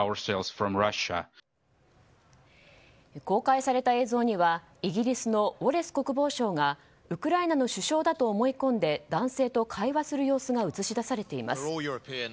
公開された映像にはイギリスのウォレス国防相がウクライナの首相だと思い込んで男性と会話する様子が映し出されています。